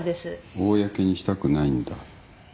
公にしたくないんだ。